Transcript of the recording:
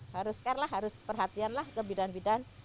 haruskanlah harus perhatianlah ke bidan bidan